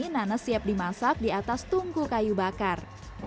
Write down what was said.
nanas siap dimasak di atas tungku kayu bakar